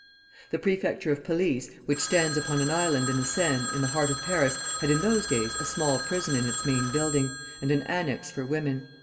The Prefecture of Police, which stands upon an island in the Seine, in the heart of Paris, had in those days a small prison in its main building, and an annex for women.